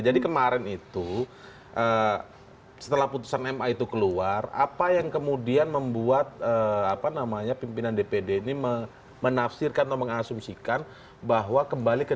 jadi kemarin itu setelah keputusan ma itu keluar apa yang kemudian membuat pimpinan dpd ini menafsirkan atau mengasumsikan bahwa kembali ke dua ribu empat belas